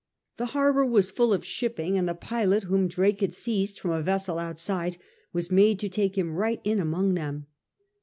The harbour was full of shipping, and the pilot whom Drake had seized from a vessel outside was made to take him right in among them.